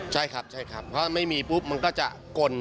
ใช่ครับเพราะไม่มีปุ๊บมันก็จะกล่น